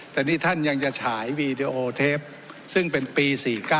แต่นี่ท่านยังจะฉายวีดีโอเทปซึ่งเป็นปี๔๙